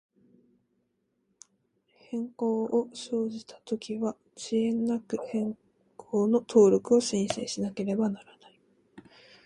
変更を生じたときは、遅滞なく、変更の登録を申請しなければならない。